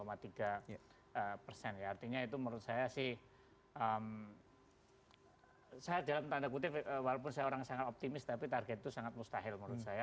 artinya itu menurut saya sih saya dalam tanda kutip walaupun saya orang sangat optimis tapi target itu sangat mustahil menurut saya